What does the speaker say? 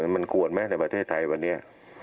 มันควรไหมในประเทศไทยวันนี้